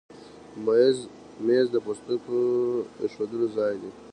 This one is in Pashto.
مېز د پوستکو ایښودو ځای دی.